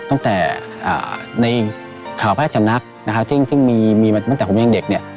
ตั้งแต่ในข่าวพระราชนักซึ่งมีมาตั้งแต่ผมยังเด็ก